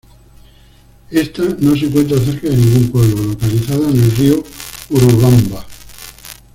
Ésta no se encuentra cerca de ningún pueblo, localizada en el río Urubamba.